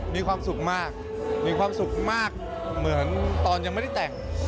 มีความสุขมากมีความสุขมากเหมือนตอนยังไม่ได้แต่ง